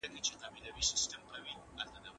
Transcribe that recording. خطیب منبر ته خېژي تر څو امانت ورسوي.